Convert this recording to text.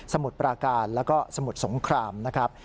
มุดปราการแล้วก็สมุทรสงครามนะครับ